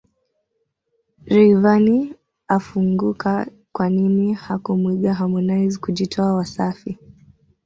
Rayvanny afunguka kwanini hakumuiga Harmonize kujitoa Wasafi